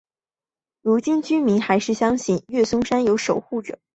如今居民还是相信乐松山有守护者。